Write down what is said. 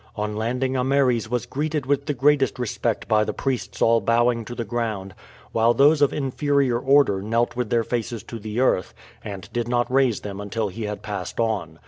On landing Ameres was greeted with the greatest respect by the priests all bowing to the ground, while those of inferior order knelt with their faces to the earth, and did not raise them until he had passed on.